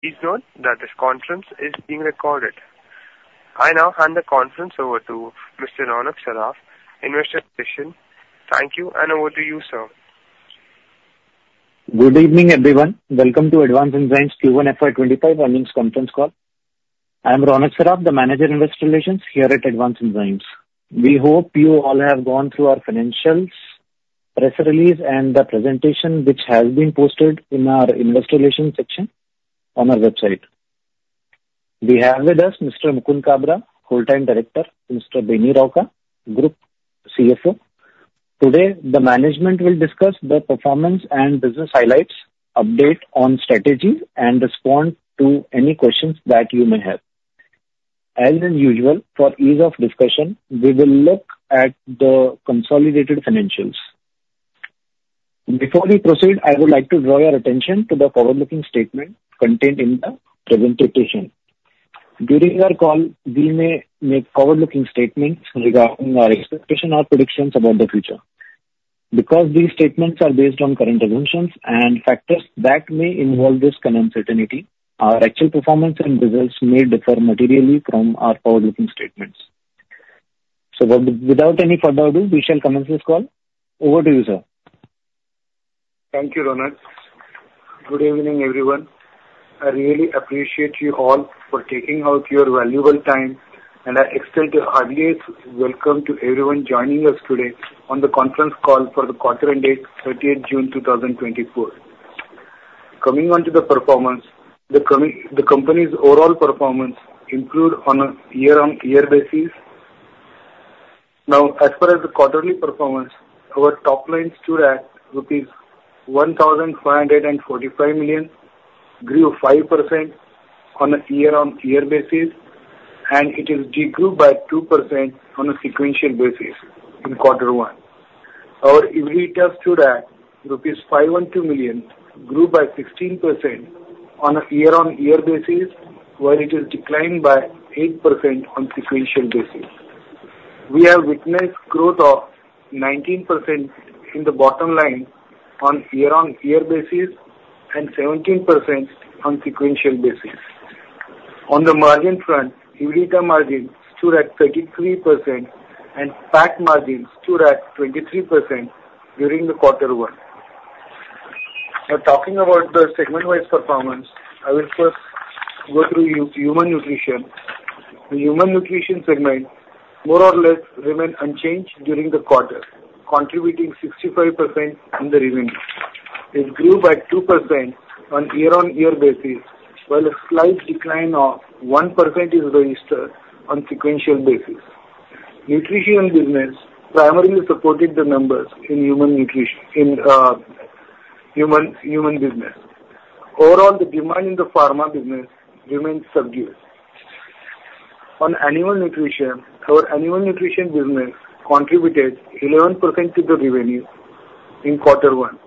Please note that this conference is being recorded. I now hand the conference over to Mr. Ronak Saraf, Investor Relations. Thank you, and over to you, sir. Good evening, everyone. Welcome to Advanced Enzymes Q1 FY25 earnings conference call. I'm Ronak Saraf, the Manager, Investor Relations here at Advanced Enzymes. We hope you all have gone through our financials, press release, and the presentation, which has been posted in our investor relations section on our website. We have with us Mr. Mukund Kabra, Full-Time Director, Mr. Beni Rauka, Group CFO. Today, the management will discuss the performance and business highlights, update on strategy, and respond to any questions that you may have. As usual, for ease of discussion, we will look at the consolidated financials. Before we proceed, I would like to draw your attention to the forward-looking statement contained in the presentation. During our call, we may make forward-looking statements regarding our expectation or predictions about the future. Because these statements are based on current assumptions and factors that may involve this uncertainty, our actual performance and results may differ materially from our forward-looking statements. Without any further ado, we shall commence this call. Over to you, sir. Thank you, Ronak. Good evening, everyone. I really appreciate you all for taking out your valuable time, and I extend a heartiest welcome to everyone joining us today on the conference call for the quarter ended 30th June 2024. Coming on to the performance, the company's overall performance improved on a year-on-year basis. Now, as far as the quarterly performance, our top line stood at rupees 1,445 million, grew 5% on a year-on-year basis, and it is decreased by 2% on a sequential basis in quarter one. Our EBITDA stood at rupees 512 million, grew by 16% on a year-on-year basis, while it is declined by 8% on sequential basis. We have witnessed growth of 19% in the bottom line on year-on-year basis and 17% on sequential basis. On the margin front, EBITDA margin stood at 33% and PAT margin stood at 23% during quarter one. Now, talking about the segment-wide performance, I will first go through human nutrition. The Human Nutrition segment more or less remained unchanged during the quarter, contributing 65% in the revenue. It grew by 2% on year-over-year basis, while a slight decline of 1% is registered on sequential basis. Nutrition business primarily supported the numbers in human nutrition, in human business. Overall, the demand in the pharma business remains subdued. On animal nutrition, our animal nutrition business contributed 11% to the revenue in quarter one.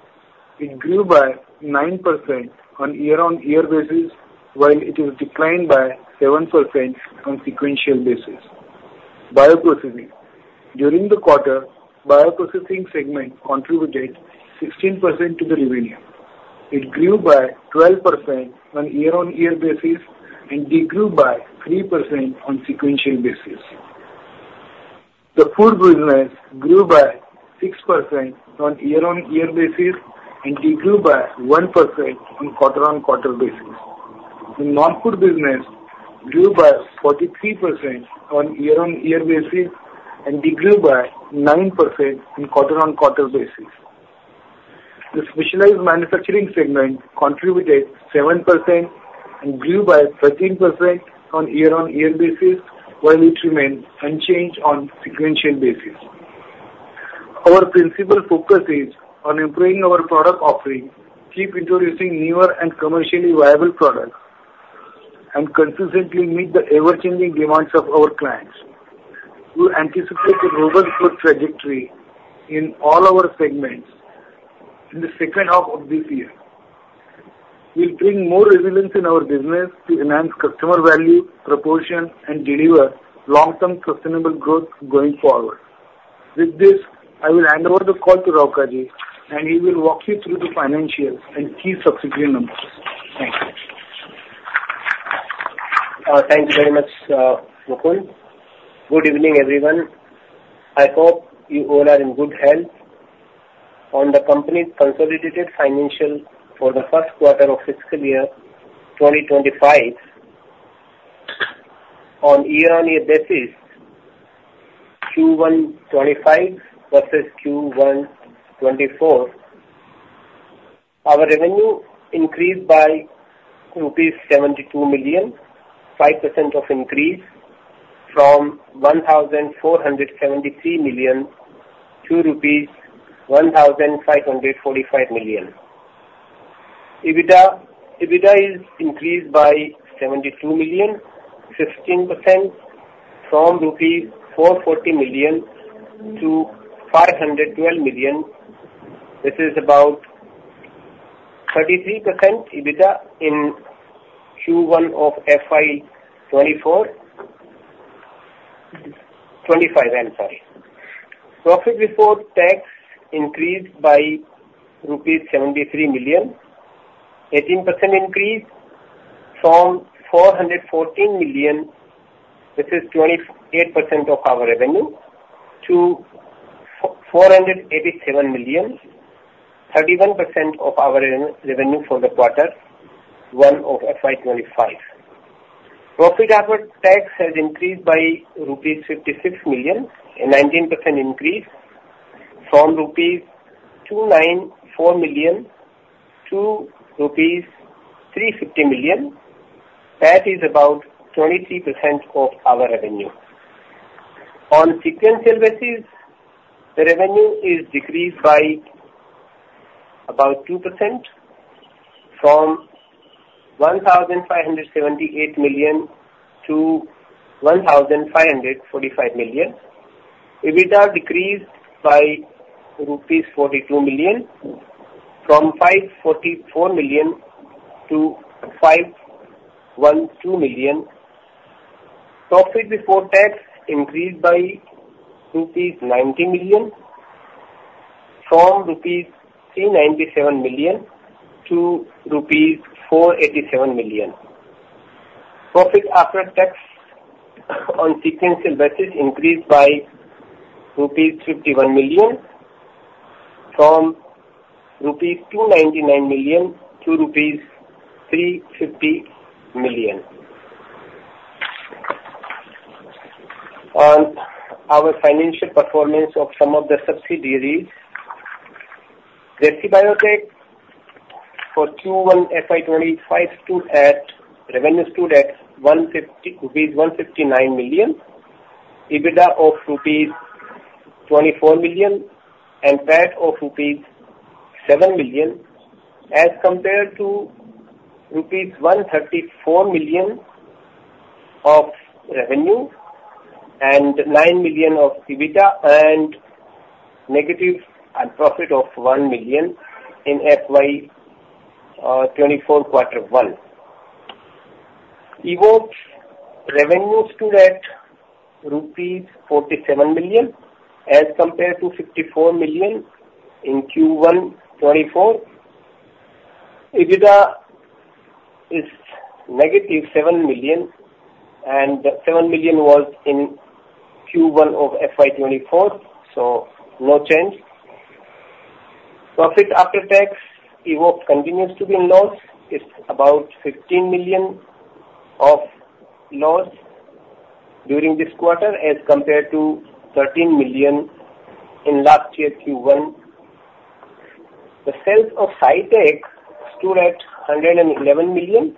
It grew by 9% on year-over-year basis, while it is declined by 7% on sequential basis. Bioprocessing. During the quarter, Bioprocessing segment contributed 16% to the revenue. It grew by 12% on year-over-year basis and decreased by 3% on sequential basis. The food business grew by 6% on year-over-year basis and decreased by 1% on quarter-over-quarter basis. The non-food business grew by 43% on year-over-year basis and decreased by 9% on quarter-over-quarter basis. The Specialized Manufacturing segment contributed 7% and grew by 13% on year-over-year basis, while it remained unchanged on sequential basis. Our principal focus is on improving our product offering, keep introducing newer and commercially viable products, and consistently meet the ever-changing demands of our clients. We anticipate a robust growth trajectory in all our segments in the second half of this year. We'll bring more resilience in our business to enhance customer value, proportion, and deliver long-term sustainable growth going forward. With this, I will hand over the call to Beni Rauka, and he will walk you through the financials and key subsidiary numbers. Thank you. Thank you very much, Mukund. Good evening, everyone. I hope you all are in good health. On the company's consolidated financials for the first quarter of fiscal year 2025, on year-on-year basis, Q1 2025 versus Q1 2024, our revenue increased by rupees 72 million, 5% increase from 1,473 million to rupees 1,545 million. EBITDA is increased by 72 million, 16% from rupees 440 million to 512 million. This is about 33% EBITDA in Q1 of FY 2024.... 2025, I'm sorry. Profit before tax increased by rupees 73 million, 18% increase from 414 million, which is 28% of our revenue, to 487 million, 31% of our revenue for Q1 of FY 2025. Profit after tax has increased by rupees 56 million, a 19% increase from rupees 294 million to rupees 350 million. That is about 23% of our revenue. On sequential basis, the revenue is decreased by about 2% from 1,578 million to 1,545 million. EBITDA decreased by rupees 42 million from 544 million to 512 million. Profit before tax increased by 90 million rupees, from rupees 397 million to rupees 487 million. Profit after tax on sequential basis increased by rupees 51 million from rupees 299 million to rupees 350 million. On our financial performance of some of the subsidiaries, JC Biotech for Q1 FY 2025 stood at, revenue stood at 159 million, EBITDA of rupees 24 million, and PAT of rupees 7 million, as compared to rupees 134 million of revenue and 9 million of EBITDA, and negative profit of 1 million in FY 2024, quarter one. Evoxx revenues stood at rupees 47 million, as compared to 54 million in Q1 2024. EBITDA is negative 7 million, and 7 million was in Q1 of FY 2024, so no change. Profit after tax, Evoxx continues to be in loss. It's about 15 million of loss during this quarter, as compared to 13 million in last year, Q1. The sales of SciTech stood at 111 million,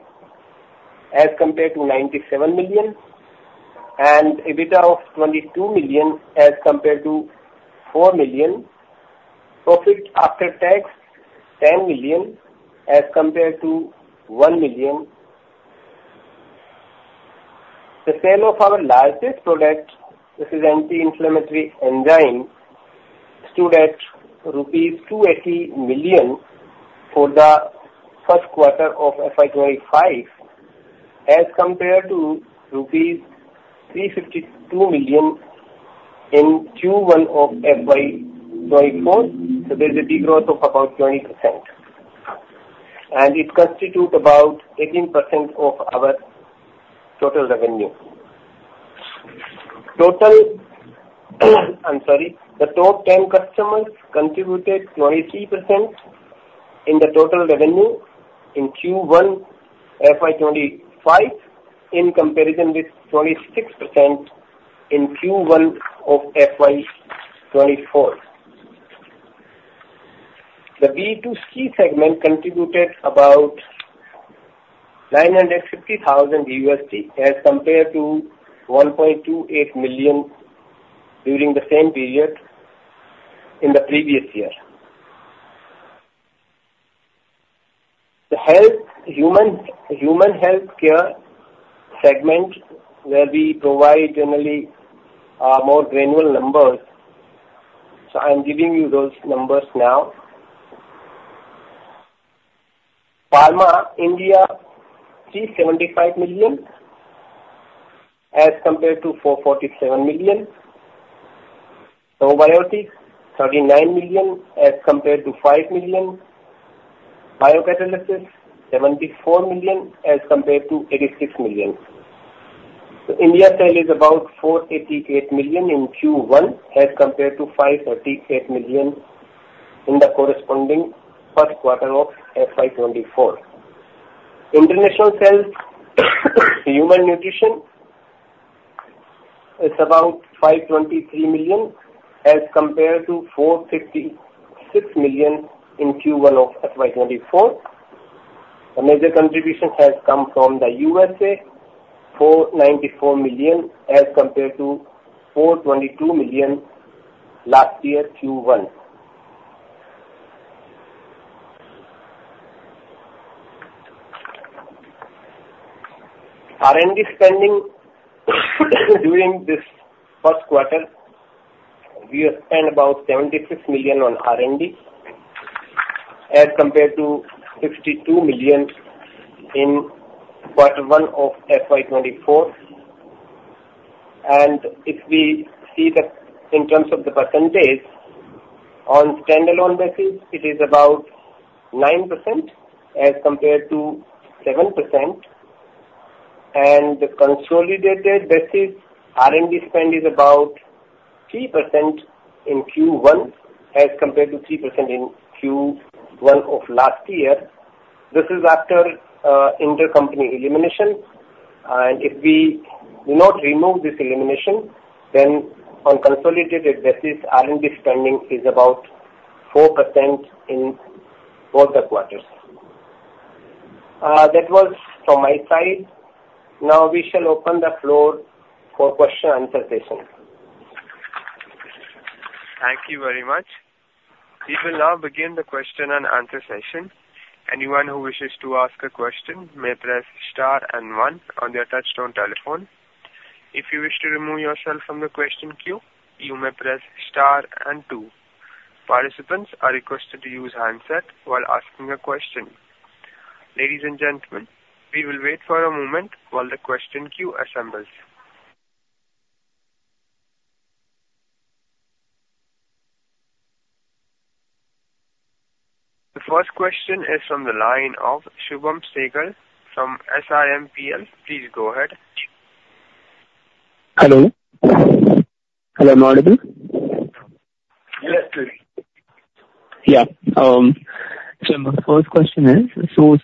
as compared to 97 million, and EBITDA of 22 million, as compared to 4 million. Profit after tax, 10 million, as compared to 1 million. The sale of our largest product, which is anti-inflammatory enzyme, stood at rupees 280 million for the first quarter of FY 2025, as compared to rupees 352 million in Q1 of FY 2024. So there's a decline of about 20%. And it constitute about 18% of our total revenue. Total, I'm sorry. The top ten customers contributed 23% in the total revenue in Q1 FY 2025, in comparison with 26% in Q1 of FY 2024. The B2C segment contributed about $950,000, as compared to $1.28 million during the same period in the previous year. The Health, Human Healthcare segment, where we provide generally, more granular numbers, so I'm giving you those numbers now. Pharma India, 375 million, as compared to 447 million. 39 million, as compared to 5 million. Biocatalysis, 74 million, as compared to 86 million. So India sale is about 488 million in Q1, as compared to 538 million in the corresponding first quarter of FY 2024. International sales, human nutrition is about 523 million, as compared to 456 million in Q1 of FY 2024. The major contribution has come from the USA, 494 million, as compared to 422 million last year, Q1. R&D spending, during this first quarter, we have spent about 76 million on R&D, as compared to 62 million in quarter one of FY 2024. If we see in terms of the percentage, on standalone basis, it is about 9% as compared to 7%, and the consolidated basis, R&D spend is about 3% in Q1 as compared to 3% in Q1 of last year. This is after intercompany elimination. If we do not remove this elimination, then on consolidated basis, R&D spending is about 4% in both the quarters. That was from my side. Now we shall open the floor for question and answer session. Thank you very much. We will now begin the question and answer session. Anyone who wishes to ask a question may press star and one on their touchtone telephone. If you wish to remove yourself from the question queue, you may press star and two. Participants are requested to use handset while asking a question. Ladies and gentlemen, we will wait for a moment while the question queue assembles. The first question is from the line of Shubham Sehgal from Simpl. Please go ahead. Hello? Hello, am I audible? Yes. Yeah. So my first question is, so,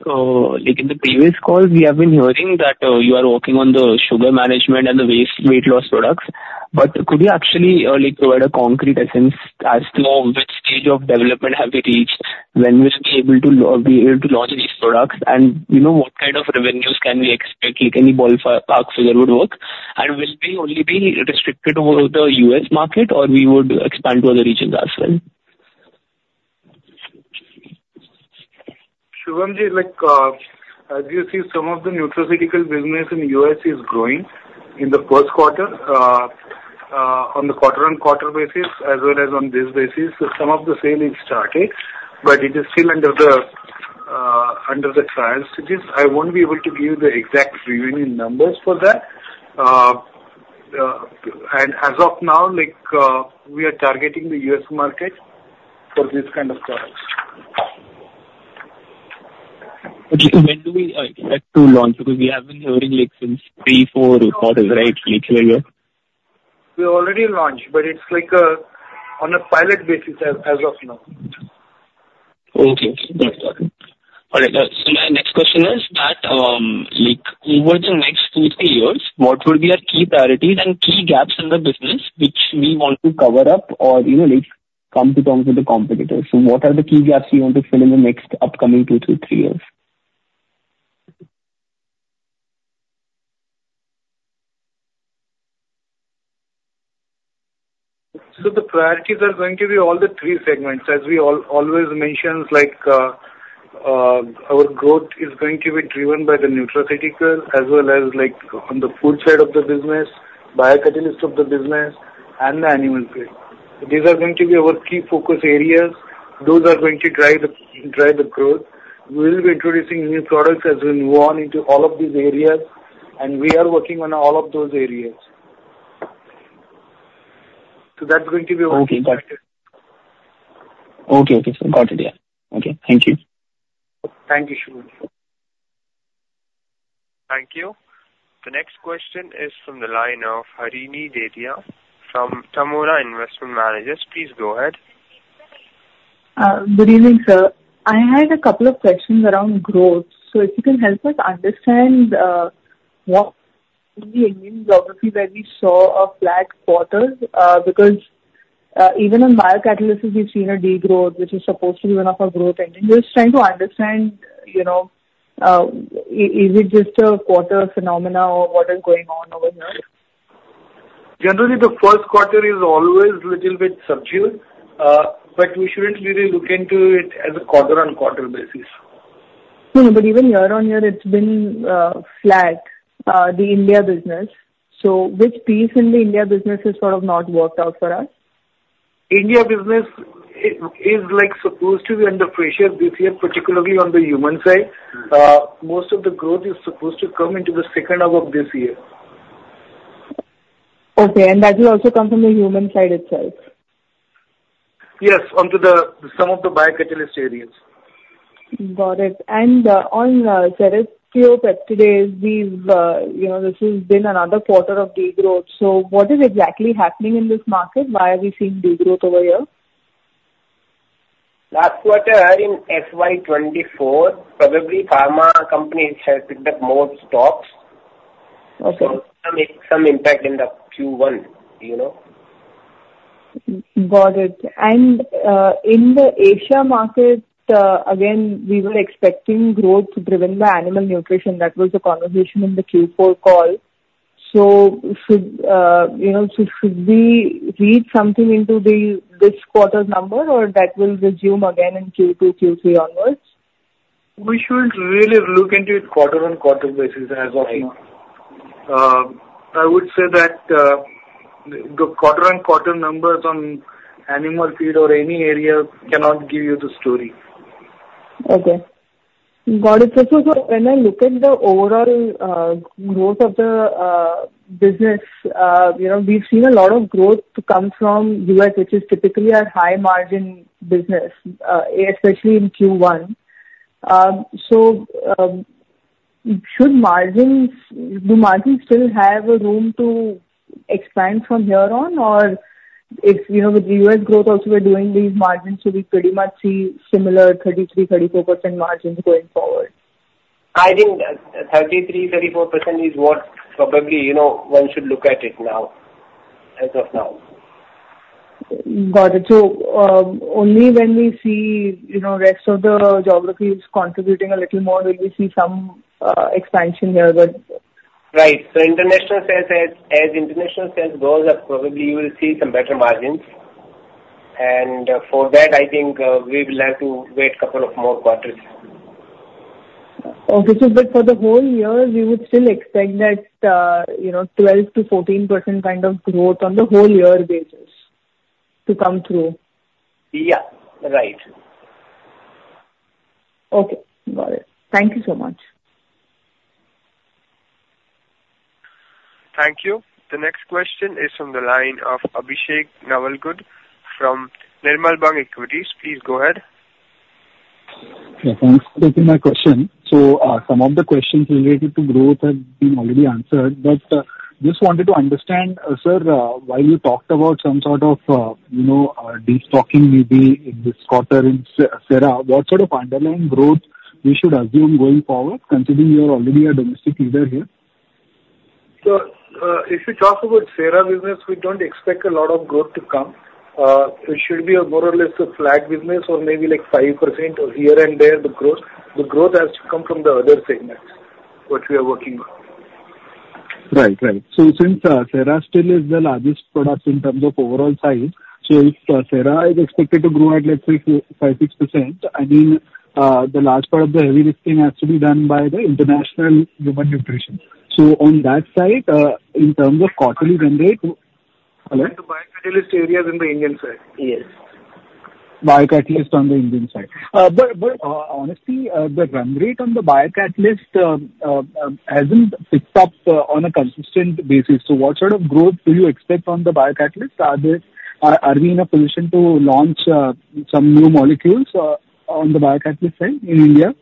like, in the previous calls, we have been hearing that you are working on the sugar management and the weight, weight loss products, but could you actually, like, provide a concrete essence as to which stage of development have we reached, when we'll be able to be able to launch these products? And, you know, what kind of revenues can we expect, like, any ball park figure would work. And will they only be restricted over the US market or we would expand to other regions as well? Shubham, like, as you see, some of the nutraceutical business in the U.S is growing. In the first quarter, on the quarter-over-quarter basis as well as on this basis, so some of the sale is started, but it is still under the, under the trial stages. I won't be able to give you the exact revenue numbers for that. And as of now, like, we are targeting the US market for this kind of products. Okay. When do we expect to launch? Because we have been hearing, like, since 3, 4 quarters, right, like, earlier. We already launched, but it's like on a pilot basis as of now. Okay, got it. All right, so my next question is that, like, over the next 2-3 years, what will be our key priorities and key gaps in the business which we want to cover up or, you know, like, come to terms with the competitors? So what are the key gaps you want to fill in the next upcoming 2-3 years? So the priorities are going to be all the three segments. As we always mentions, like, our growth is going to be driven by the nutraceutical as well as, like, on the food side of the business, biocatalyst of the business and the animal feed. These are going to be our key focus areas. Those are going to drive the growth. We will be introducing new products as we move on into all of these areas, and we are working on all of those areas. So that's going to be our- Okay, got it. Okay, okay, so got it, yeah. Okay, thank you. Thank you, Shubham. Thank you. The next question is from the line of Harini Dedhia from Tamohara Investment Managers. Please go ahead. Good evening, sir. I had a couple of questions around growth. So if you can help us understand what in the Indian geography where we saw a flat quarter, because even in biocatalysis, we've seen a degrowth, which is supposed to be one of our growth engine. We're just trying to understand, you know, is it just a quarter phenomena or what is going on over here? Generally, the first quarter is always little bit subdued, but we shouldn't really look into it as a quarter-on-quarter basis. No, but even year-on-year, it's been flat, the India business. So which piece in the India business has sort of not worked out for us? India business is, like, supposed to be under pressure this year, particularly on the human side. Most of the growth is supposed to come into the second half of this year. Okay, and that will also come from the human side itself? Yes, onto some of the biocatalyst areas. Got it. And, on, today's, we've, you know, this has been another quarter of degrowth, so what is exactly happening in this market? Why are we seeing degrowth over here? Last quarter in FY24, probably pharma companies have picked up more stocks. Okay. Some impact in the Q1, you know? Got it. And, in the Asia market, again, we were expecting growth driven by animal nutrition. That was the conversation in the Q4 call. So should, you know, so should we read something into this quarter's number, or that will resume again in Q2, Q3 onwards?... We shouldn't really look into it quarter-on-quarter basis as of now. I would say that, the quarter-on-quarter numbers on animal feed or any area cannot give you the story. Okay. Got it. So when I look at the overall growth of the business, you know, we've seen a lot of growth come from the U.S., which is typically a high-margin business, especially in Q1. So, should margins—do margins still have a room to expand from here on? Or if, you know, with the U.S. growth also we're doing, these margins should be pretty much similar, 33%-34% margins going forward. I think 33, 34% is what probably, you know, one should look at it now, as of now. Got it. So, only when we see, you know, rest of the geography is contributing a little more, will we see some, expansion here, but- Right. So international sales, as international sales grows, probably you will see some better margins. And for that, I think, we will have to wait couple of more quarters. Okay. So but for the whole year, we would still expect that, you know, 12%-14% kind of growth on the whole year basis to come through? Yeah. Right. Okay, got it. Thank you so much. Thank you. The next question is from the line of Abhishek Navalgund from Nirmal Bang Equities. Please go ahead. Yeah, thanks for taking my question. So, some of the questions related to growth have been already answered, but, just wanted to understand, sir, why you talked about some sort of, you know, destocking maybe in this quarter in Serra. What sort of underlying growth we should assume going forward, considering you are already a domestic leader here? So, if you talk about Sera business, we don't expect a lot of growth to come. It should be more or less a flat business or maybe like 5% here and there, the growth. The growth has to come from the other segments, what we are working on. Right. Right. So since Serra still is the largest product in terms of overall size, so if Serra is expected to grow at, let's say, 5%-6%, I mean, the large part of the heavy lifting has to be done by the International Human Nutrition. So on that side, in terms of quarterly run rate... Hello? The biocatalyst areas in the Indian side. Yes. Biocatalyst on the Indian side. But honestly, the run rate on the biocatalyst hasn't picked up on a consistent basis. So what sort of growth do you expect from the biocatalyst? Are we in a position to launch some new molecules on the biocatalyst side in India?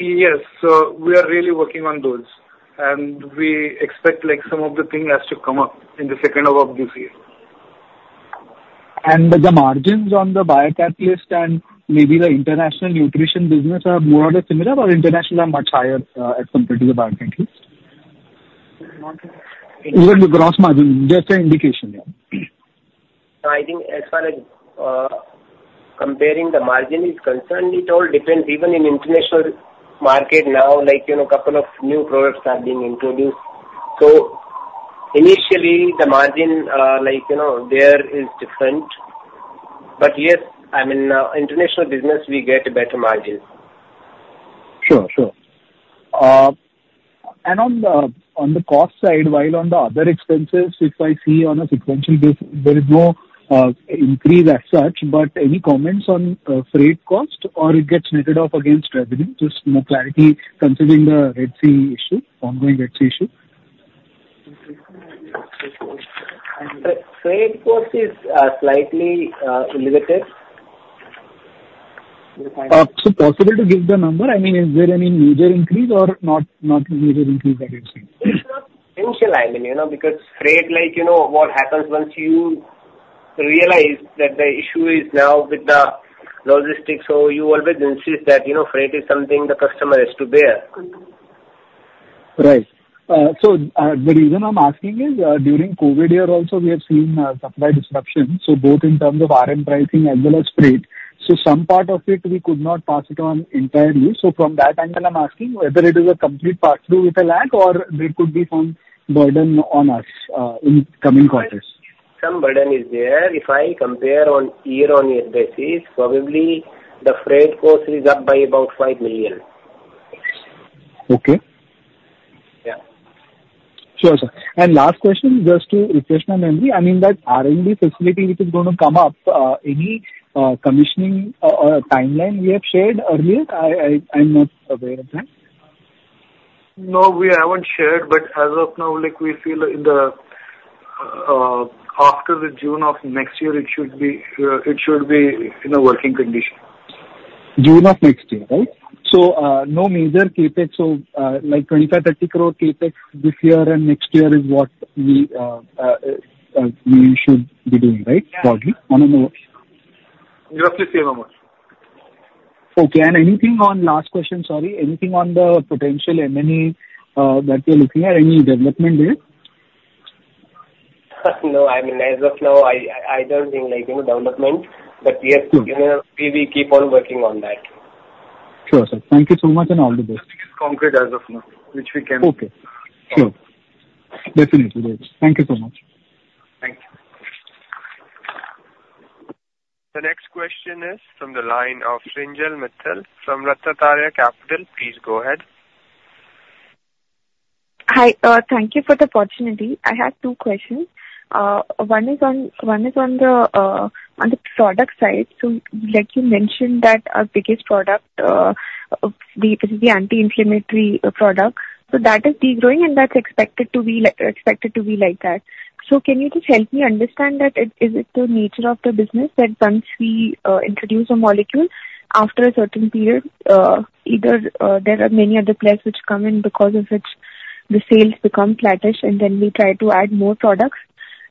Yes. So we are really working on those, and we expect, like, some of the thing has to come up in the second half of this year. The margins on the biocatalyst and maybe the International Nutrition business are more or similar, or international are much higher, as compared to the biocatalyst? Margin. Even the gross margin, just an indication there. I think as far as comparing the margin is concerned, it all depends. Even in international market now, like, you know, couple of new products are being introduced. So initially, the margin, like, you know, there is different. But yes, I mean, international business, we get better margins. Sure, sure. And on the cost side, while on the other expenses, if I see on a sequential basis, there is no increase as such, but any comments on freight cost or it gets netted off against revenue? Just more clarity considering the Red Sea issue, ongoing Red Sea issue. Freight cost is slightly elevated. So possible to give the number? I mean, is there any major increase or not, not major increase that you're seeing? It's not essential, I mean, you know, because freight, like, you know, what happens once you realize that the issue is now with the logistics, so you always insist that, you know, freight is something the customer has to bear. Right. So, the reason I'm asking is, during COVID year also, we have seen, supply disruptions, so both in terms of RM pricing as well as freight. So some part of it, we could not pass it on entirely. So from that angle, I'm asking whether it is a complete pass-through with a lag or there could be some burden on us, in coming quarters. Some burden is there. If I compare on year-on-year basis, probably the freight cost is up by about 5 million. Okay. Yeah. Sure, sir. And last question, just to refresh my memory, I mean that R&D facility, which is going to come up, any commissioning or timeline we have shared earlier? I'm not aware of that. No, we haven't shared, but as of now, like we feel in the, after the June of next year, it should be, it should be in a working condition. June of next year, right? So, no major CapEx, so, like 25 crore-30 crore CapEx this year and next year is what we, we should be doing, right? Roughly, on a more- Roughly same amount. Okay, and anything on... Last question, sorry, anything on the potential M&A that you're looking at? Any development there? No, I mean, as of now, I don't think, like, you know, development, but yes- Good. We will keep on working on that. Sure, sir. Thank you so much, and all the best. Concrete as of now, which we can- Okay. Sure. Definitely. Thank you so much.... The next question is from the line of Sanjay Mittal from RatnaTraya Capital. Please go ahead. Hi, thank you for the opportunity. I have two questions. One is on the product side. So like you mentioned, that our biggest product is the anti-inflammatory product, so that is de-growing, and that's expected to be like that. So can you just help me understand that, is it the nature of the business, that once we introduce a molecule, after a certain period, either there are many other players which come in because of which the sales become flattish, and then we try to add more products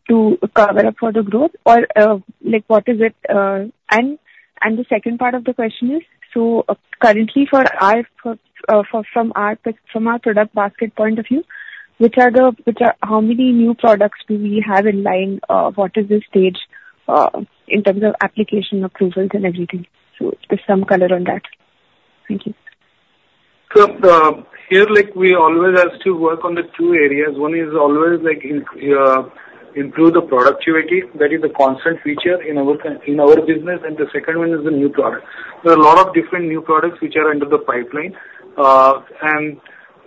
to cover up for the growth? Or, like, what is it... The second part of the question is: so currently, from our product basket point of view, which are the – how many new products do we have in line? What is the stage, in terms of application approvals and everything? So just some color on that. Thank you. So, like, we always has to work on the two areas. One is always, like, improve the productivity. That is a constant feature in our business, and the second one is the new product. There are a lot of different new products which are under the pipeline, and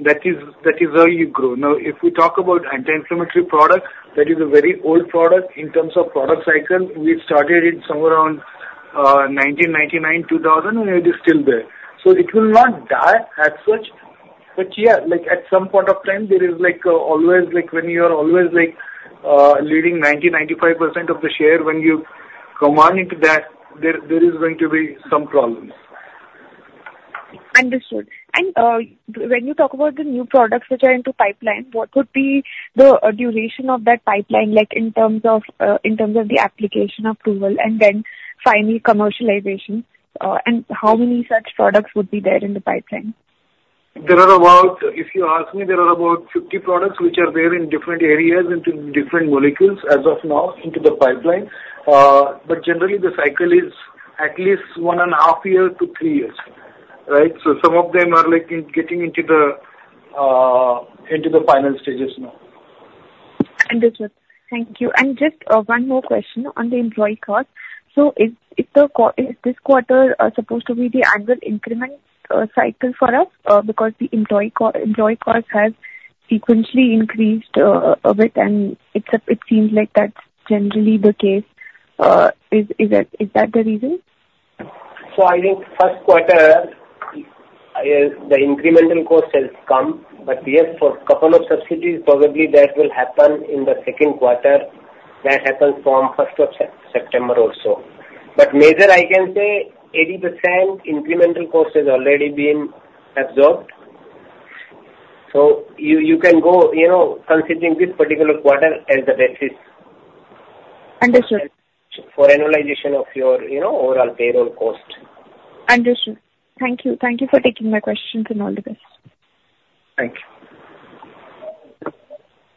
that is, that is where you grow. Now, if we talk about anti-inflammatory product, that is a very old product in terms of product cycle. We started it somewhere around 1999, 2000, and it is still there. So it will not die as such. But yeah, like, at some point of time, there is, like, always, like, when you are always, like, leading 90%-95% of the share, when you come down into that, there, there is going to be some problems. Understood. And, when you talk about the new products which are into pipeline, what would be the, duration of that pipeline, like, in terms of, in terms of the application approval, and then finally commercialization? And how many such products would be there in the pipeline? There are about, if you ask me, there are about 50 products which are there in different areas, into different molecules as of now into the pipeline. But generally, the cycle is at least 1.5 year to three years, right? So some of them are, like, in getting into the final stages now. Understood. Thank you. And just one more question on the employee cost. So is this quarter supposed to be the annual increment cycle for us? Because the employee cost has sequentially increased a bit, and it seems like that's generally the case. Is that the reason? So I think first quarter, the incremental cost has come, but yes, for couple of subsidies, probably that will happen in the second quarter. That happens from 1st of September or so. But major, I can say 80% incremental cost has already been absorbed. So you, you can go, you know, considering this particular quarter as the basis. Understood. For annualization of your, you know, overall payroll cost. Understood. Thank you. Thank you for taking my questions, and all the best. Thank you.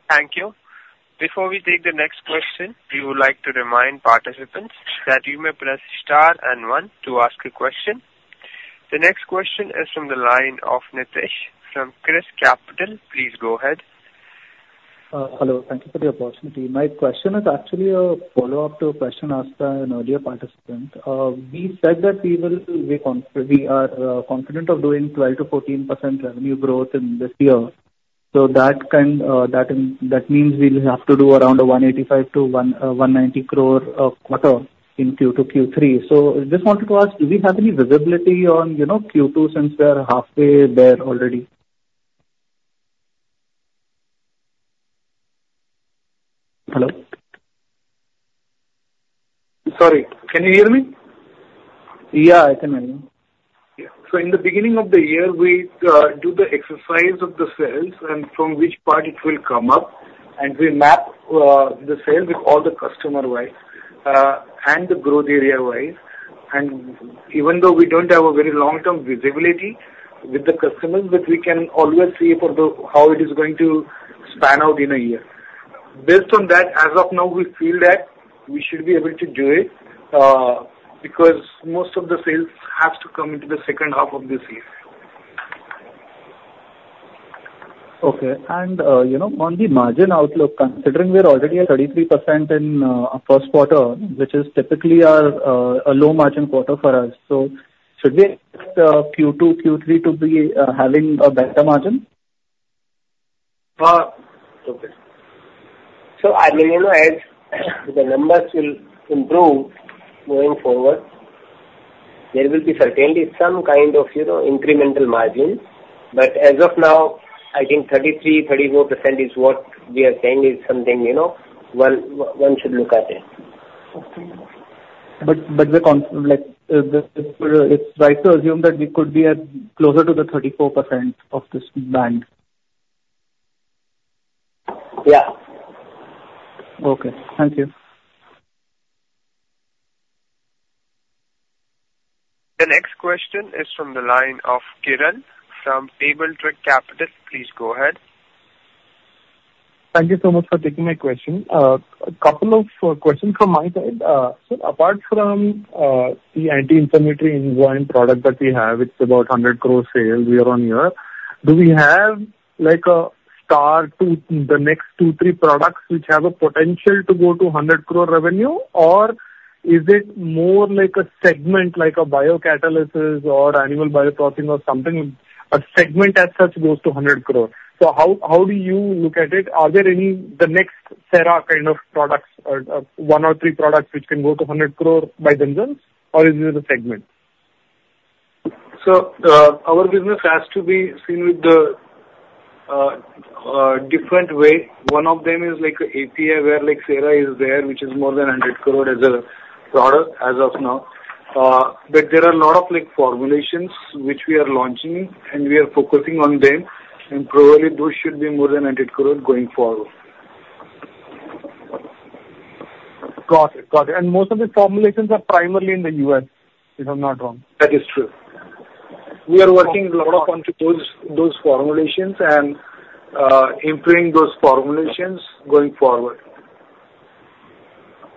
Thank you. Before we take the next question, we would like to remind participants that you may press star one to ask a question. The next question is from the line of Nitish from ChrysCapital. Please go ahead. Hello, thank you for the opportunity. My question is actually a follow-up to a question asked by an earlier participant. We said that we will be—we are confident of doing 12%-14% revenue growth in this year. So that can, that means we'll have to do around 185 crores-190 crores of quarter in Q2 to Q3. So just wanted to ask, do we have any visibility on, you know, Q2, since we are halfway there already? Hello? Sorry, can you hear me? Yeah, I can hear you. Yeah. So in the beginning of the year, we do the exercise of the sales and from which part it will come up, and we map the sales with all the customer-wise, and the growth area-wise. And even though we don't have a very long-term visibility with the customers, but we can always see for the, how it is going to span out in a year. Based on that, as of now, we feel that we should be able to do it, because most of the sales has to come into the second half of this year. Okay. And, you know, on the margin outlook, considering we are already at 33% in our first quarter, which is typically our a low margin quarter for us. So should we expect Q2, Q3 to be having a better margin? Okay. So, I mean, you know, as the numbers will improve going forward, there will be certainly some kind of, you know, incremental margin, but as of now, I think 33%-34% is what we are saying is something, you know, one should look at it. Okay. But like, it's right to assume that we could be closer to the 34% of this band? Yeah. Okay, thank you. The next question is from the line of Kiran from Abakkus. Please go ahead. Thank you so much for taking my question. A couple of questions from my side. So apart from the anti-inflammatory enzyme product that we have, it's about 100 crore sales year-over-year, do we have like a start to the next two, three products which have a potential to go to 100 crore revenue, or is it more like a segment, like a biocatalysis or animal bioprocessing or something, a segment as such goes to 100 crore? So how do you look at it? Are there any the next Sera kind of products or one or three products which can go to 100 crore by themselves, or is it a segment? So, our business has to be seen with the different way. One of them is like API, where like Sera is there, which is more than 100 crore as a product as of now. But there are a lot of like formulations which we are launching, and we are focusing on them, and probably those should be more than 100 crore going forward. Got it. Got it. Most of the formulations are primarily in the U.S., if I'm not wrong. That is true. We are working a lot on those, those formulations and, improving those formulations going forward.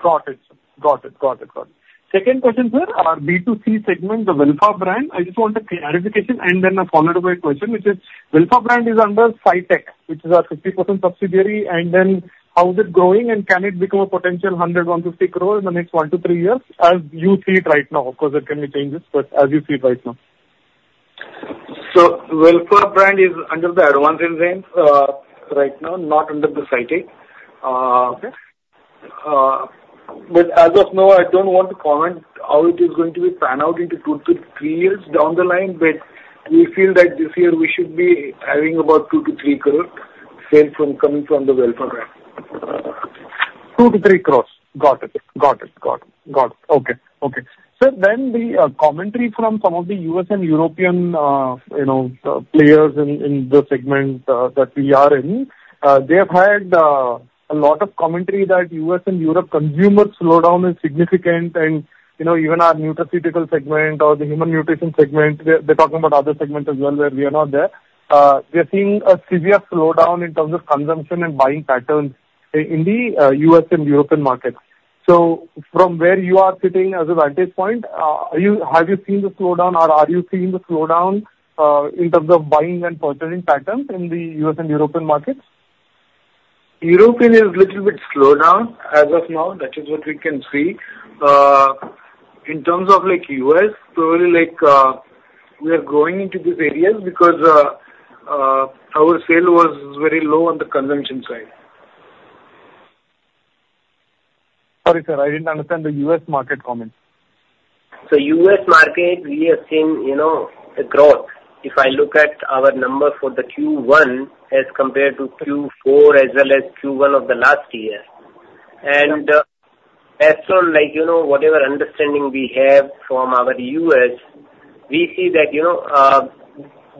Got it. Got it, got it, got it. Second question, sir, our B2C segment, the Wellpha brand. I just want a clarification and then a follow-up question, which is, Wellpha brand is under SciTech, which is our 50% subsidiary, and then how is it growing and can it become a potential 100 crores-150 crores in the next one to three years as you see it right now? Of course, it can be changed, but as you see it right now. So Wellpha brand is under the Advanced Enzymes, right now, not under the SciTech. Okay. But as of now, I don't want to comment how it is going to be pan out into two to three years down the line, but we feel that this year we should be having about 2 crore-3 crore sales from, coming from the Wellpha brand. Two to three crores. Got it. Got it. Got it. Got it. Okay. Okay. So then the commentary from some of the U.S. and European, you know, players in the segment that we are in, they have had a lot of commentary that U.S. and Europe consumer slowdown is significant and, you know, even our Nutraceutical segment or the Human Nutrition segment, they're talking about other segments as well, where we are not there. We are seeing a severe slowdown in terms of consumption and buying patterns in the U.S. and European markets. So from where you are sitting as a vantage point, are you, have you seen the slowdown or are you seeing the slowdown in terms of buying and purchasing patterns in the U.S. and European markets? Europe is little bit slowed down as of now. That is what we can see. In terms of like U.S., probably like, we are growing into this areas because, our sale was very low on the consumption side. Sorry, sir, I didn't understand the U.S. market comment. So U.S. market, we have seen, you know, a growth. If I look at our number for the Q1 as compared to Q4, as well as Q1 of the last year. And as soon, like, you know, whatever understanding we have from our U.S., we see that, you know,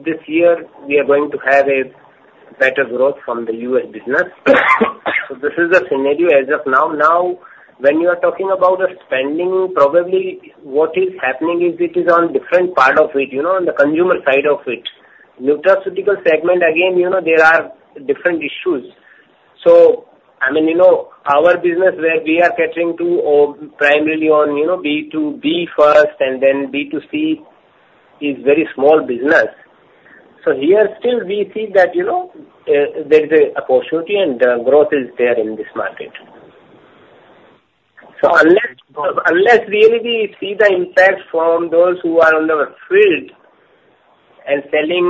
this year we are going to have a better growth from the US business. So this is the scenario as of now. Now, when you are talking about the spending, probably what is happening is it is on different part of it, you know, on the consumer side of it. Nutraceutical segment, again, you know, there are different issues. So I mean, you know, our business, where we are catering to, primarily on, you know, B2B first and then B2C, is very small business. So here still we see that, you know, there is a opportunity and, growth is there in this market. So unless, unless really we see the impact from those who are on the field and selling,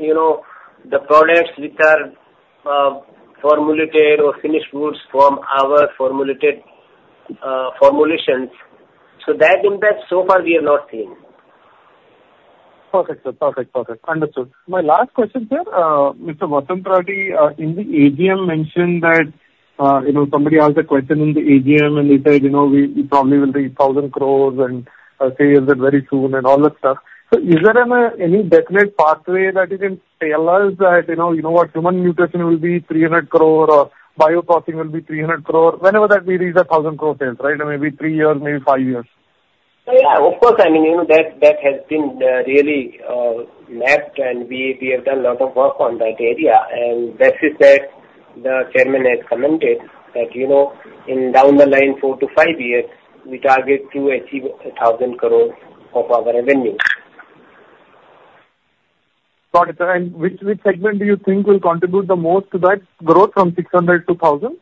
you know, the products which are, formulated or finished goods from our formulated, formulations, so that impact so far we have not seen. Perfect, sir. Perfect. Perfect. Understood. My last question, sir, Mr. Vasant Rathi, in the AGM mentioned that, you know, somebody asked a question in the AGM, and he said, "You know, we probably will reach 1,000 crore and sales very soon," and all that stuff. So is there any definite pathway that you can tell us that, you know, you know what, human nutrition will be 300 crore or bioprocessing will be 300 crore, whenever that we reach a 1,000 crore sales, right? Maybe three years, maybe five years. Yeah, of course. I mean, you know, that, that has been really mapped, and we, we have done a lot of work on that area. And that is that the chairman has commented that, you know, in down the line, four to five years, we target to achieve 1,000 crore of our revenue. Got it, sir. And which, which segment do you think will contribute the most to that growth from 600 to 1,000?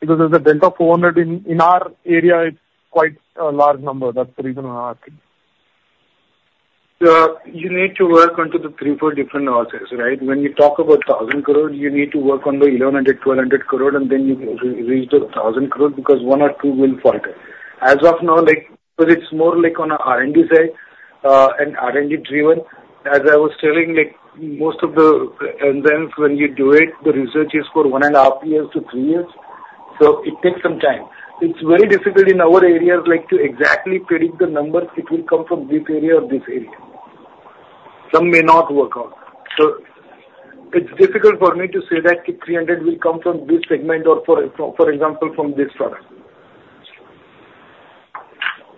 Because there's a delta 400 in, in our area, it's quite a large number. That's the reason I'm asking. You need to work onto the the three to four different axes, right? When you talk about thousand crores, you need to work on the 1,100 crore-1,200 crore, and then you reach the thousand crores, because one or two will falter. As of now, like, because it's more like on a R&D side, and R&D driven. As I was telling, like, most of the inventions, when you do it, the research is for 1.5 years to three years, so it takes some time. It's very difficult in our areas, like, to exactly predict the numbers, it will come from this area or this area. Some may not work out. So it's difficult for me to say that 300 will come from this segment or, for example, from this product.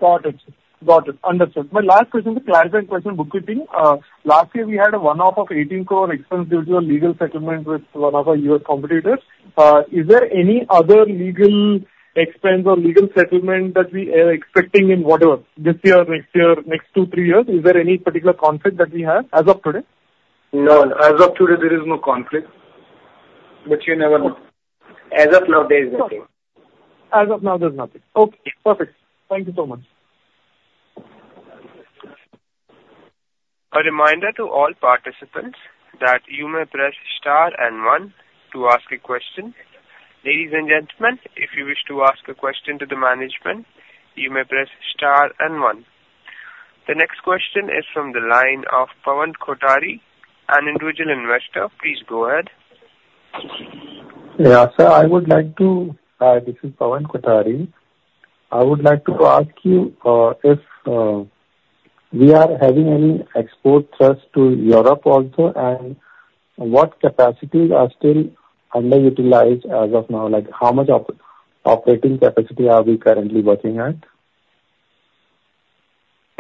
Got it. Got it. Understood. My last question is a clarifying question, bookkeeping. Last year, we had a one-off of 18 crore expense due to a legal settlement with one of our U.S. competitors. Is there any other legal expense or legal settlement that we are expecting in whatever, this year, next year, next two, three years? Is there any particular conflict that we have as of today? No, as of today, there is no conflict.... but you never know. As of now, there is nothing. As of now, there's nothing. Okay, perfect. Thank you so much. A reminder to all participants that you may press star and one to ask a question. Ladies and gentlemen, if you wish to ask a question to the management, you may press star and one. The next question is from the line of Pawan Kothari, an individual investor. Please go ahead. Yeah. So this is Pawan Kothari. I would like to ask you if we are having any export thrust to Europe also, and what capacities are still underutilized as of now? Like, how much operating capacity are we currently working at?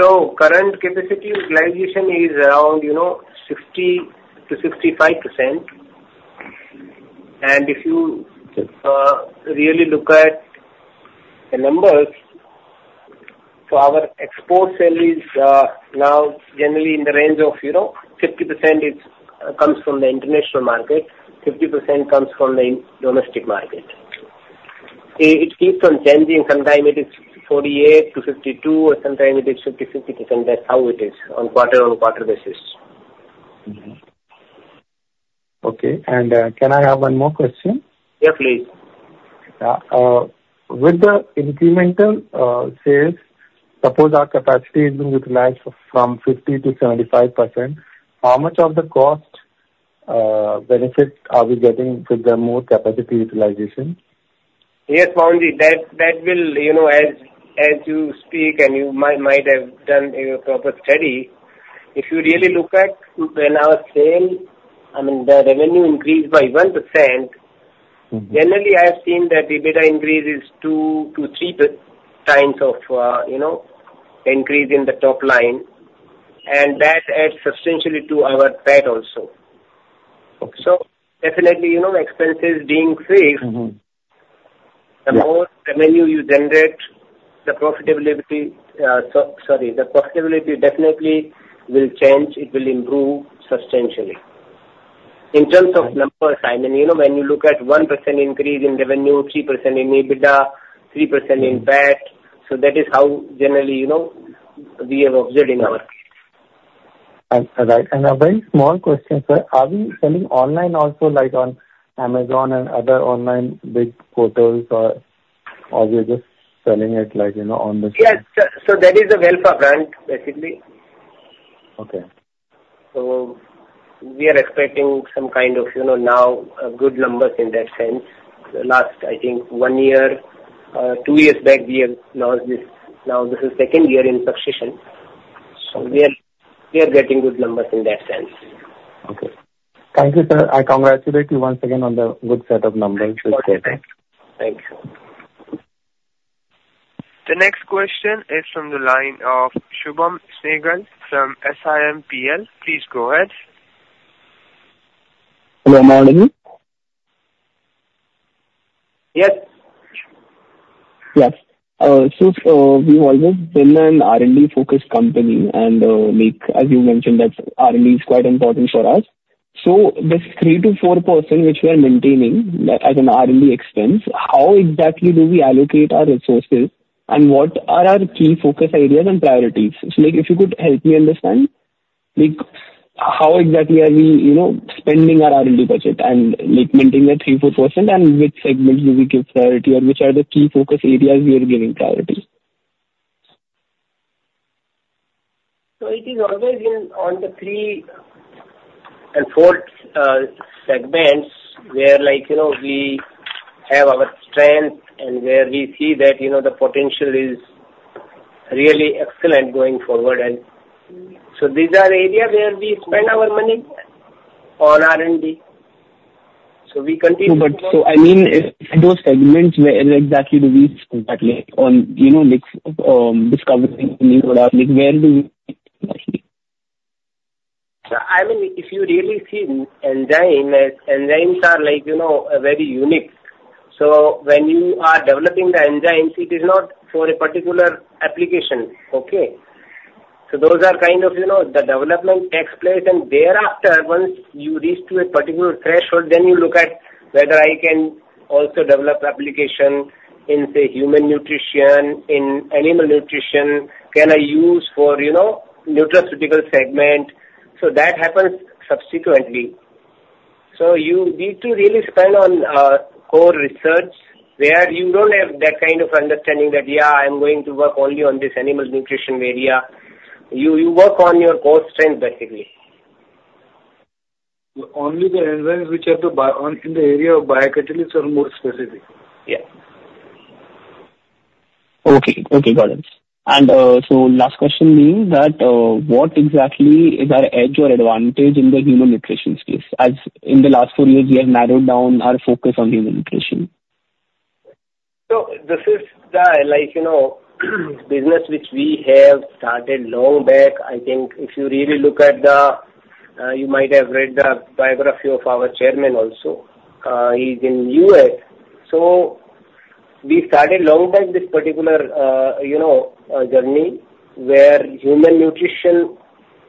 So current capacity utilization is around, you know, 60%-65%. And if you really look at the numbers, so our export sales is now generally in the range of, you know, 50% it's comes from the international market, 50% comes from the domestic market. It, it keeps on changing. Sometime it is 48%-52%, or sometime it is 50%/50%. That's how it is on quarter-on-quarter basis. Mm-hmm. Okay. And, can I have one more question? Yeah, please. With the incremental sales, suppose our capacity has been utilized from 50% to 75%, how much of the cost benefits are we getting with the more capacity utilization? Yes, Pawan, that will, you know, as you speak and you might have done a proper study, if you really look at when our sale, I mean, the revenue increased by 1%- Mm-hmm. Generally, I have seen that the EBITDA increase is 2x-3x of, you know, increase in the top line, and that adds substantially to our PAT also. Okay. Definitely, you know, expenses being freed- Mm-hmm. Yeah. The more revenue you generate, the profitability, sorry, the profitability definitely will change. It will improve substantially. In terms of numbers, I mean, you know, when you look at 1% increase in revenue, 3% in EBITDA, 3% in PAT, so that is how generally, you know, we have observed in our case. Right. A very small question, sir. Are we selling online also, like on Amazon and other online big portals, or, or we are just selling it like, you know, on the- Yes, sir. So that is the Wellpha brand, basically. Okay. So we are expecting some kind of, you know, now, a good numbers in that sense. The last, I think one year, two years back, we have launched this. Now, this is second year in succession, so we are, we are getting good numbers in that sense. Okay. Thank you, sir. I congratulate you once again on the good set of numbers. Okay, thanks. Thank you. The next question is from the line of Shubham Shekhar from Simpl. Please go ahead. Hello, good morning. Yes. Yes. So, we've always been an R&D-focused company, and, like, as you mentioned, that R&D is quite important for us. So this 3%-4% which we are maintaining, that as an R&D expense, how exactly do we allocate our resources, and what are our key focus areas and priorities? So, like, if you could help me understand, like, how exactly are we, you know, spending our R&D budget and, like, maintaining that 3%-4%, and which segments do we give priority, or which are the key focus areas we are giving priority? So it is always in on the three and four segments, where, like, you know, we have our strength and where we see that, you know, the potential is really excellent going forward. And so these are areas where we spend our money on R&D. So we continue- No, but so I mean, in those segments, where exactly do we spend that, like, on, you know, like, discovering new products, like, where do we exactly? So, I mean, if you really see enzyme, enzymes are like, you know, very unique. So when you are developing the enzymes, it is not for a particular application, okay? So those are kind of, you know, the development takes place, and thereafter, once you reach to a particular threshold, then you look at whether I can also develop application in, say, Human Nutrition, in Animal Nutrition, can I use for, you know, Nutraceutical segment? So that happens subsequently. So you need to really spend on core research, where you don't have that kind of understanding that, yeah, I'm going to work only on this animal nutrition area. You work on your core strength, basically. Only the enzymes which are the ones in the area of biocatalysts are more specific? Yeah. Okay. Okay, got it. And, so last question being that, what exactly is our edge or advantage in the human nutrition space? As in the last four years, we have narrowed down our focus on human nutrition. So this is the, like, you know, business which we have started long back. I think if you really look at the, you might have read the biography of our chairman also, he's in U.S. We started long back this particular, you know, journey, where human nutrition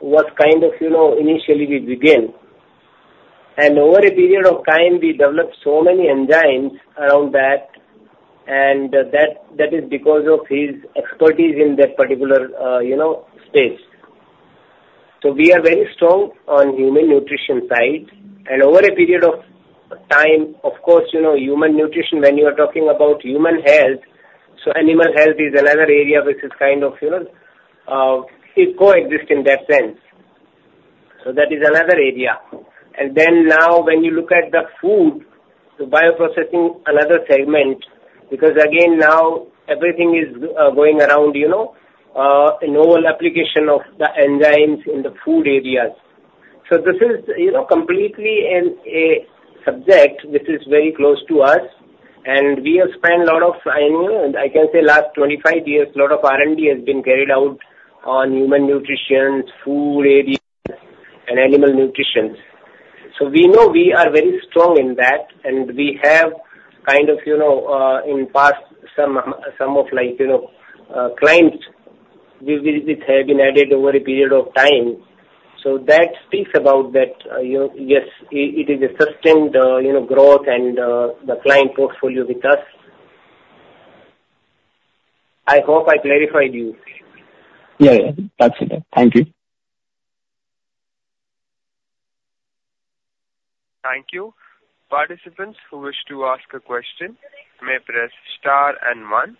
was kind of, you know, initially we begin. And over a period of time, we developed so many enzymes around that, and that, that is because of his expertise in that particular, you know, space. So we are very strong on human nutrition side, and over a period of time, of course, you know, human nutrition, when you are talking about human health, so animal health is another area which is kind of, you know, it coexist in that sense. So that is another area. Then now, when you look at the Food, the Bioprocessing another segment, because again, now everything is going around, you know, novel application of the enzymes in the food areas. So this is, you know, completely in a subject which is very close to us, and we have spent a lot of, I know, I can say last 25 years, a lot of R&D has been carried out on human nutrition, food areas, and animal nutrition. So we know we are very strong in that, and we have kind of, you know, in past, some of like, you know, clients which have been added over a period of time. So that speaks about that, you know, yes, it is a sustained, you know, growth and the client portfolio with us. I hope I clarified you. Yeah, yeah. That's it. Thank you. Thank you. Participants who wish to ask a question may press star and one.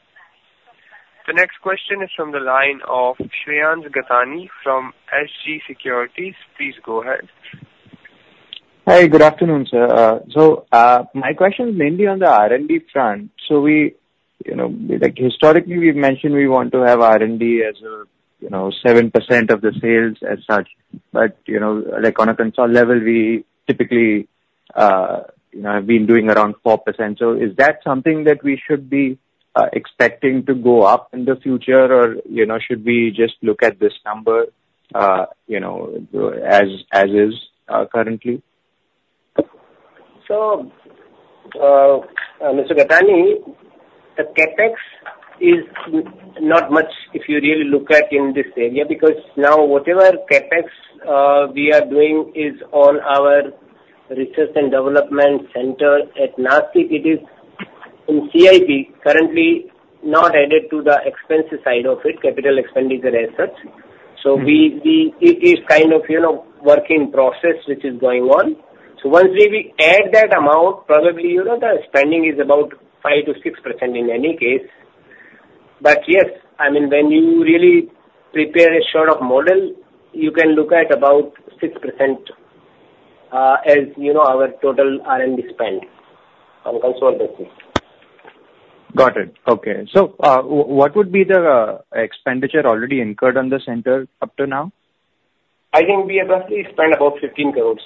The next question is from the line of Shreyans Gathani from SG Securities. Please go ahead. Hi, good afternoon, sir. So, my question is mainly on the R&D front. So we, you know, like, historically, we've mentioned we want to have R&D as a, you know, 7% of the sales as such, but, you know, like on a consolidated level, we typically, you know, have been doing around 4%. So is that something that we should be expecting to go up in the future? Or, you know, should we just look at this number, you know, as is, currently? So, Mr. Gathani, the CapEx is not much, if you really look at in this area, because now whatever CapEx we are doing is on our research and development center at Nashik. It is in CIP, currently not added to the expenditure side of it, capital expenditure research. So it is kind of, you know, working process which is going on. So once we add that amount, probably, you know, the spending is about 5%-6% in any case. But yes, I mean, when you really prepare a sort of model, you can look at about 6%, as you know, our total R&D spend on consolidated basis. Got it. Okay. So, what would be the expenditure already incurred on the center up to now? I think we have roughly spent about 15 crores.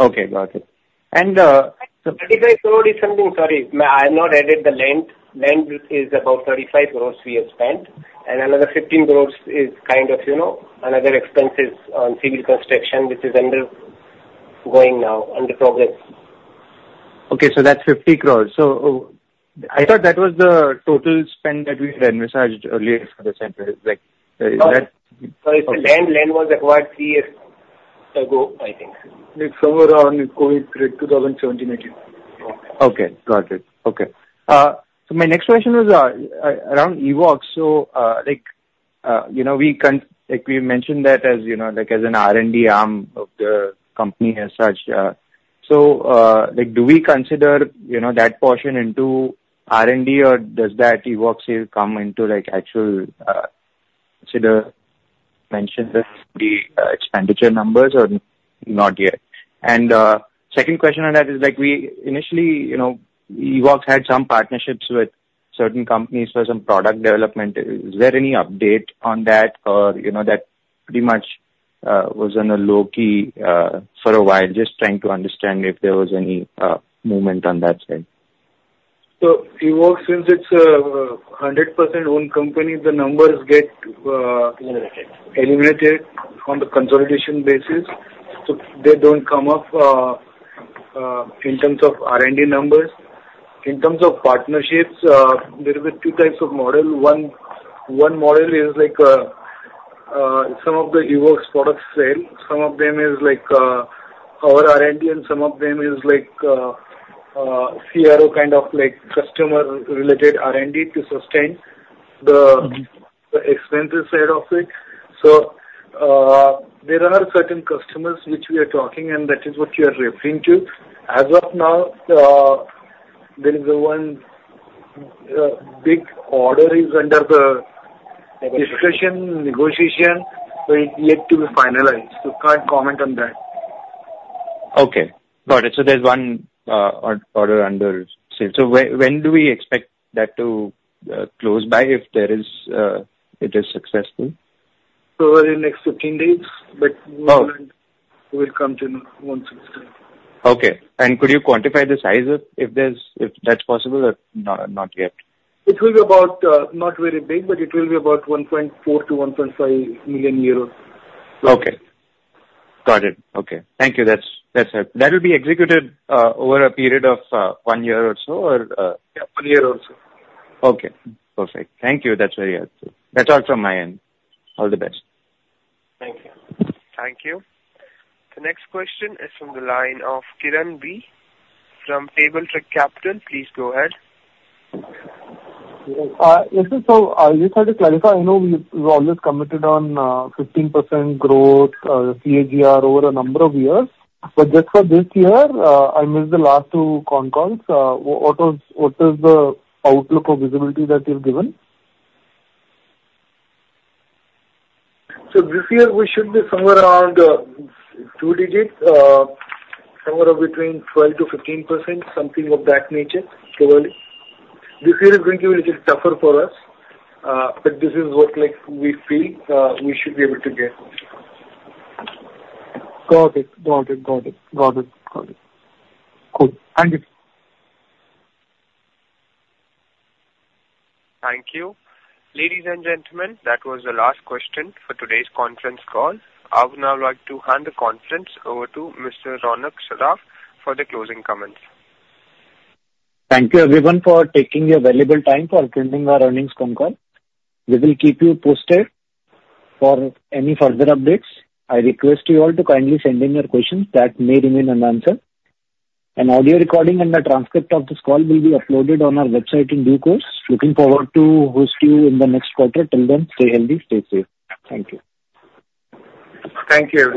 Okay, got it. And, 35 crores is something... Sorry, I have not added the land. Land is about 35 crores we have spent, and another 15 crores is kind of, you know, another expenses on civil construction, which is undergoing now, under progress. Okay, so that's 50 crores. So I thought that was the total spend that we had envisaged earlier for the center. Like, is that? Sorry, the land was acquired three years ago, I think. It's somewhere around 2017, 2018. Okay. Got it. Okay. So my next question is around Evoxx. So, like, you know, we like, we mentioned that as, you know, like, as an R&D arm of the company as such. So, like, do we consider, you know, that portion into R&D, or does that Evoxx sale come into, like, actual, consider, mention the expenditure numbers or not yet? And, second question I have is, like, we initially, you know, Evoxx had some partnerships with certain companies for some product development. Is there any update on that? Or, you know, that pretty much was on a low-key for a while. Just trying to understand if there was any movement on that side. So Evoxx, since it's a 100% owned company, the numbers get, Eliminated. -eliminated on the consolidation basis, so they don't come up in terms of R&D numbers. In terms of partnerships, there will be two types of model. One model is like some of the Evoxx products sale. Some of them is like our R&D, and some of them is like CRO, kind of like customer-related R&D to sustain the- Mm-hmm. The expensive side of it. So, there are certain customers which we are talking, and that is what you are referring to. As of now, there is a one big order is under the discussion, negotiation, so it yet to be finalized, so can't comment on that. Okay, got it. So there's one order under sale. So when do we expect that to close by, if it is successful? Probably next 15 days, but- Oh. We'll come to know once it's done. Okay. Could you quantify the size of... if that's possible or not, not yet? It will be about, not very big, but it will be about 1.4 million-1.5 million euros. Okay. Got it. Okay. Thank you. That's, that's helped. That will be executed over a period of one year or so or- Yeah, one year or so. Okay, perfect. Thank you. That's very helpful. That's all from my end. All the best. Thank you. Thank you. The next question is from the line of Kiran from Abakkus Asset Manager LLP. Please go ahead. Yes, so I just had to clarify. I know we, we always committed on, 15% growth, CAGR over a number of years, but just for this year, I missed the last two con calls. What was, what is the outlook or visibility that you've given? So this year we should be somewhere around, two digits, somewhere between 12%-15%, something of that nature, probably. This year is going to be a little tougher for us, but this is what, like, we feel, we should be able to get. Got it, got it, got it, got it, got it. Cool. Thank you. Thank you. Ladies and gentlemen, that was the last question for today's conference call. I would now like to hand the conference over to Mr. Ronak Saraf for the closing comments. Thank you, everyone, for taking your valuable time for attending our earnings con call. We will keep you posted for any further updates. I request you all to kindly send in your questions that may remain unanswered. An audio recording and a transcript of this call will be uploaded on our website in due course. Looking forward to host you in the next quarter. Till then, stay healthy, stay safe. Thank you. Thank you.